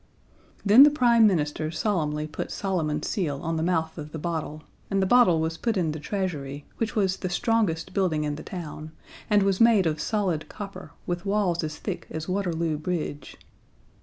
Then the Prime Minister solemnly put Solomon's seal on the mouth of the bottle, and the bottle was put in the Treasury, which was the strongest building in the town, and was made of solid copper, with walls as thick as Waterloo Bridge.